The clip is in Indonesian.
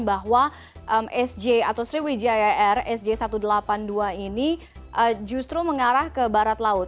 bahwa sj atau sriwijaya air sj satu ratus delapan puluh dua ini justru mengarah ke barat laut